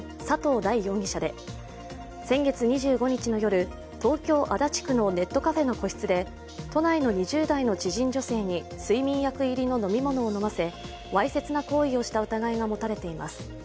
大容疑者で先月２５日の夜、東京・足立区のネットカフェの個室で都内の２０代の知人女性に睡眠薬入りの飲み物を飲ませわいせつな行為をした疑いが持たれています。